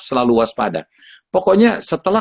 selalu waspada pokoknya setelah